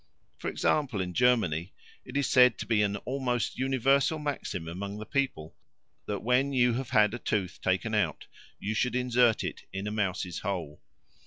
For example, in Germany it is said to be an almost universal maxim among the people that when you have had a tooth taken out you should insert it in a mouse's hole.